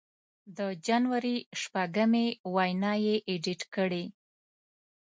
د جنوري شپږمې وینا یې اېډېټ کړې